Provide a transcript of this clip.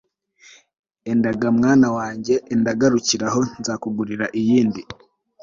enda ga mwana wanjye, enda garukira aho nzakugurira iyindi